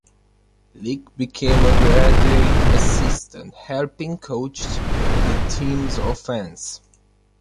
Leak became a graduate assistant, helping coach the team's offense.